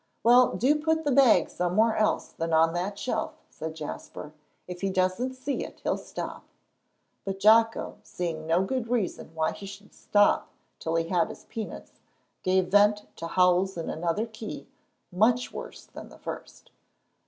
"Well, do put the bag somewhere else than on that shelf," said Jasper. "If he doesn't see it, he'll stop." But Jocko, seeing no good reason why he should stop till he had his peanuts, gave vent to howls in another key, much worse than the first.